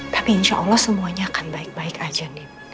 tapi insya allah semuanya akan baik baik saja din